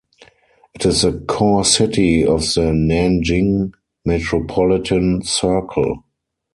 It is a core city of the Nanjing Metropolitan Circle.